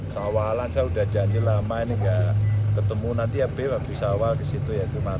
sawalan saya udah janji lama ini gak ketemu nanti ya beb habis sawal ke situ ya ke mamping